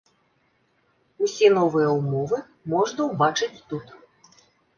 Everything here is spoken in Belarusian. Усе новыя ўмовы можна ўбачыць тут.